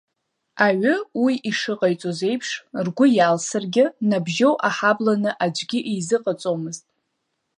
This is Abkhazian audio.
Аҩы уи ишыҟаиҵоз еиԥш, ргәы иалсыргьы, Набжьоу аҳабланы аӡәгьы изыҟаҵомызт.